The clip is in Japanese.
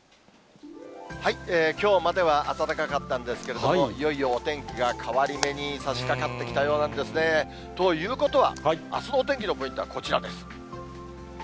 きょうまでは暖かかったんですけども、いよいよお天気が変わり目にさしかかってきたようなんですね。ということは、あすのお天気のポイントはこちらです。